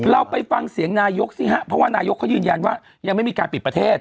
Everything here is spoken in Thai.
เราไปฟังเสียงนายกสิฮะเพราะว่านายกเขายืนยันว่ายังไม่มีการปิดประเทศ